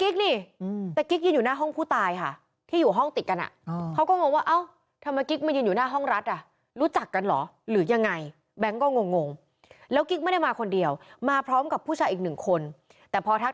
กันหรอหรือยังไงแบงค์ก็งงเลยที่มันมาคนเดียวมาพร้อมกับผู้ชายกัน๑คนแต่พอทัก